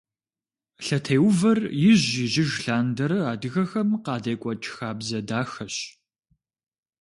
Лъэтеувэр ижь-ижьыж лъандэрэ адыгэхэм къадекӀуэкӀ хабзэ дахэщ.